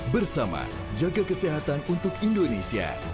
bersama jaga kesehatan untuk indonesia